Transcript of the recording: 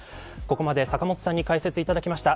ここまで坂本さんに解説いただきました。